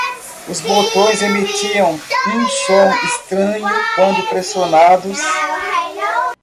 Os botões emitiam um som estranho quando pressionados.